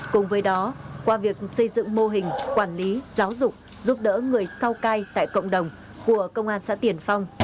cùng với đó qua việc xây dựng mô hình quản lý giáo dục giúp đỡ người sau cai tại cộng đồng của công an xã tiền phong